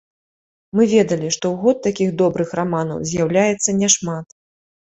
Мы ведалі, што ў год такіх добрых раманаў з'яўляецца няшмат.